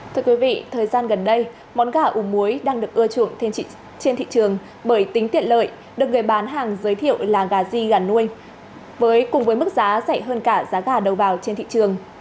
thưa quý vị thời gian gần đây món gà ủ muối đang được ưa chuộng trên thị trường bởi tính tiện lợi được người bán hàng giới thiệu là gà di gà nuôi cùng với mức giá rẻ hơn cả giá gà đầu vào trên thị trường